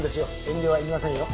遠慮はいりませんよ。